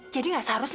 saya sudah berhenti